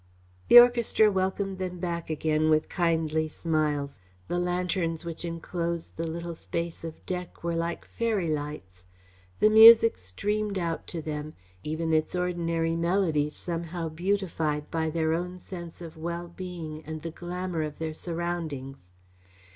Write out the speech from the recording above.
The orchestra welcomed them back again with kindly smiles. The lanterns which enclosed the little space of deck were like fairy lights. The music streamed out to them, even its ordinary melodies somehow beautified by their own sense of well being and the glamour of their surroundings.